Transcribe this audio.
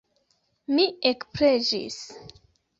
Mi ekpreĝis.